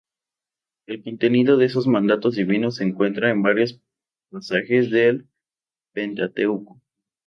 El contenido de esos mandatos divinos se encuentra en varios pasajes del Pentateuco.